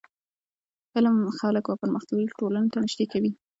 علم خلک و پرمختللو ټولنو ته نژدي کوي.